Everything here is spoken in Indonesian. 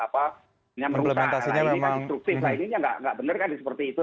menyambutkan nah ini kan instruksi nah ini ya nggak bener kan seperti itu